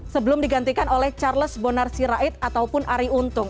sebelum digantikan oleh charles bonar sirait ataupun ari untung